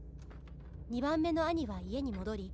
「２番目の兄は家に戻り」